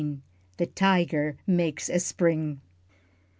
THE TIGER MAKES A SPRING.